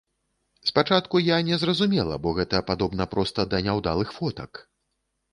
Спачатку я не зразумела, бо гэта падобна проста да няўдалых фотак!